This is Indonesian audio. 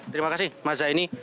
terima kasih mas zaini